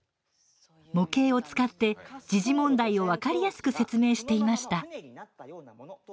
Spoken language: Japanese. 模型を使って時事問題を分かりやすく説明していました。